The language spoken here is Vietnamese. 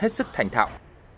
hết sức thành thạo